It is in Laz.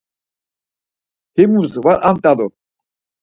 Himus var ant̆alu.